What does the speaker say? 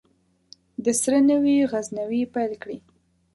دسره نوي غزونې پیل کړي